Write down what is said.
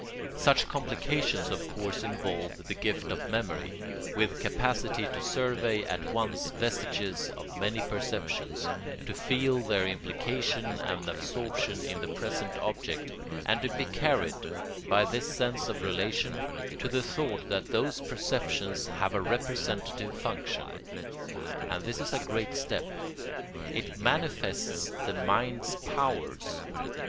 Such complications of course involve the gift of memory, with capacity to survey at once vestiges of many perceptions, to feel their implication and absorption in the present object, and to be carried, by this sense of relation, to the thought that those perceptions have a representative function. And this is a great step. It manifests the mind's powers.